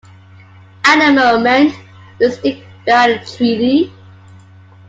At the moment, we stick by our treatie.